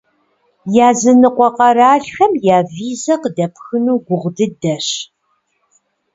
Языныкъуэ къэралхэм я визэ къыдэпхыну гугъу дыдэщ.